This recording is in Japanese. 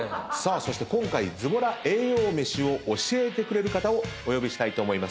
そして今回ズボラ栄養飯を教えてくれる方をお呼びしたいと思います。